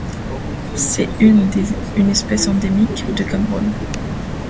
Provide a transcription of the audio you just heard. C'est une espèce endémique du Cameroun.